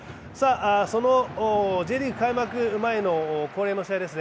そのＪリーグ開幕前の恒例の試合ですね。